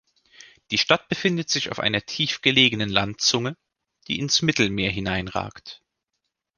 Die Stadt befindet sich auf einer tief gelegenen Landzunge, die ins Mittelmehr hineinragt.